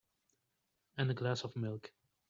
And a glass of milk.